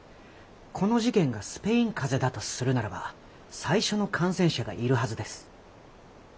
この事件がスペイン風邪だとするならば最初の感染者がいるはずです。